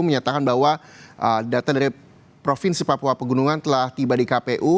menyatakan bahwa data dari provinsi papua pegunungan telah tiba di kpu